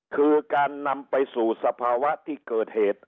คือการนำไปสู่สภาวะที่เกิดเหตุ